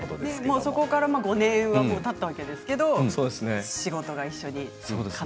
そこからもう５年はたったわけですけれども、仕事は一緒に。